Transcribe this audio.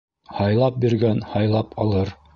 Һайлап биргән, һайлап алыр.